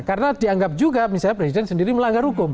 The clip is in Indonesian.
karena dianggap juga misalnya presiden sendiri melanggar hukum